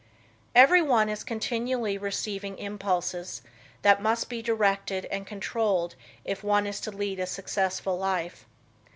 Everyone is continually receiving impulses that must be directed and controlled if one is to lead a successful life.